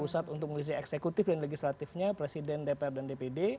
pusat untuk mengisi eksekutif dan legislatifnya presiden dpr dan dpd